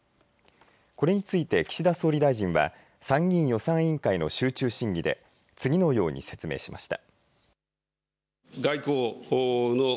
これについて岸田総理大臣は参議院予算委員会の集中審議で次のように説明しました。